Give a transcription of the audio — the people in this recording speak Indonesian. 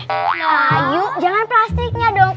nah ayu jangan plastiknya dong